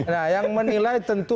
nah yang menilai tentu